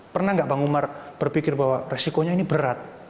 pernah nggak bang umar berpikir bahwa resikonya ini berat